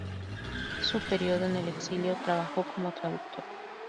En su periodo en el exilio trabajó como traductor.